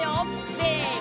せの！